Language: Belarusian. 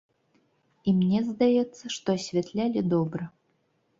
І, мне здаецца, што асвятлялі добра.